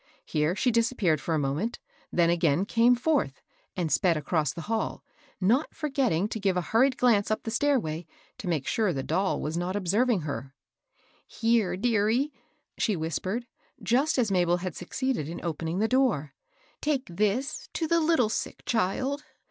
Here she disappeared for a moment, then again came forth, and sped across the hall, not forgetting to give a hurried glance up the stairway, to make sure the doll was not observing her. " Here, dearie !" she whispered, just as Mabel had succeeded in opening the door, " take this to the little sick child."